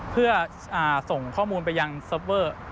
เพื่อส่งข้อมูลไปยังเซิร์ฟเวอร์